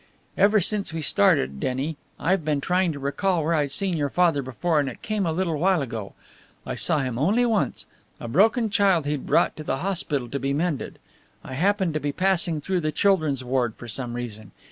Ever since we started, Denny, I've been trying to recall where I'd seen your father before; and it came a little while ago. I saw him only once a broken child he'd brought to the hospital to be mended. I happened to be passing through the children's ward for some reason.